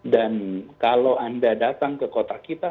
dan kalau anda datang ke kota kita